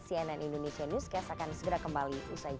cnn indonesia newscast akan segera kembali usai jeda